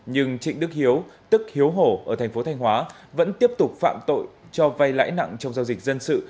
nhưng trịnh đức hiếu tức hiếu hổ ở thành phố thanh hóa vẫn tiếp tục phạm tội cho vay lãi nặng trong giao dịch dân sự